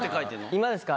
今ですか？